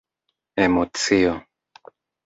emocio